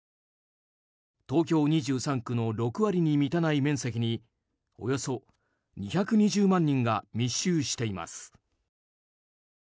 東京２３区の６割に満たない面積におよそ２２０万人が密集しています。